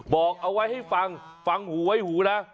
บอกเอาไว้ให้ฟังฟังหูไว้หูนะ